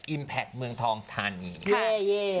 แพคเมืองทองทานี